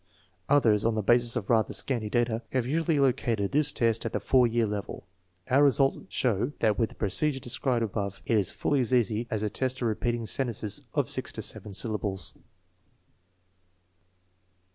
Others, on the basis of rather scanty data, have usually located this test at the 4 year level. Our re sults show that with the procedure described above it is fully as easy as the test of repeating sentences of 6 to 7 syllables.